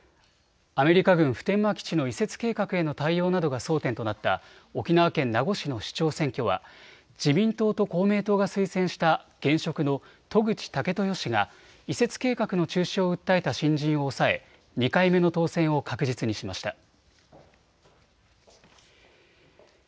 アメリカ軍普天間基地への移設計画などが争点となった沖縄県名護市の市長選挙は自民党と公明党が推薦した現職の渡具知武豊氏が移設計画の中止を訴えた新人を抑え２回目の当選を確実にしました。